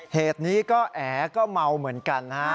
เหตุนี้ก็แอ๋ก็เมาเหมือนกันนะฮะ